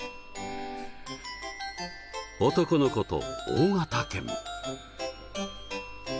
男の子と大型犬。